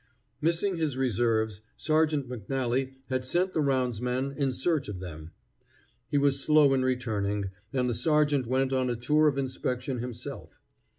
Missing his reserves, Sergeant McNally had sent the roundsman in search of them. He was slow in returning, and the sergeant went on a tour of inspection himself.